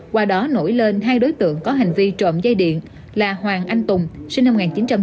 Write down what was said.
qua đó nổi lên hai đối tượng có hành vi trộm dây điện là hoàng anh tùng sinh năm một nghìn chín trăm tám mươi